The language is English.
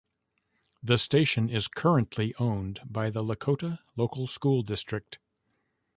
The station is currently owned by the Lakota Local School District.